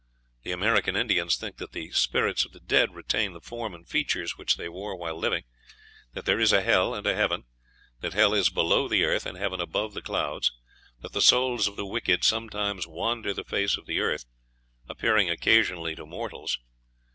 The American Indians think that the spirits of the dead retain the form and features which they wore while living; that there is a hell and a heaven; that hell is below the earth, and heaven above the clouds; that the souls of the wicked sometimes wander the face of the earth, appearing occasionally to mortals.